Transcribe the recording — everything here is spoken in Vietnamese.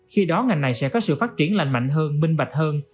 khi đó ngành này sẽ có sự phát triển lành mạnh hơn minh bạch hơn